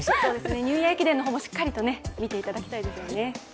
ニューイヤー駅伝の方もしっかりと見ていただきたいですよね。